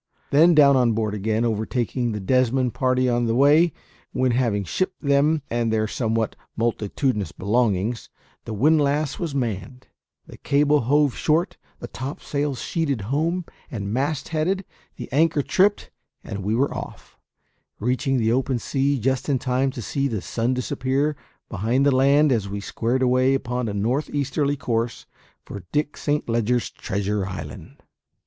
Then down on board again, overtaking the Desmond party on the way; when, having shipped them and their somewhat multitudinous belongings, the windlass was manned, the cable hove short, the topsails sheeted home and mast headed, the anchor tripped, and we were off, reaching the open sea just in time to see the sun disappear behind the land as we squared away upon a north easterly course for Dick Saint Leger's treasure island.